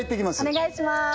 お願いします